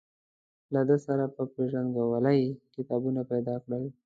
له ده سره په پېژندګلوۍ کتابونه پیدا کړل.